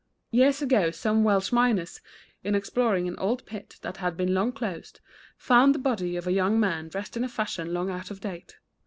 = Years ago some Welsh miners, in exploring an old pit that had been long closed, found the body of a young man dressed in a fashion long out of date.